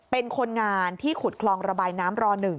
เป็นคนงานที่ขุดคลองระบายน้ำร๑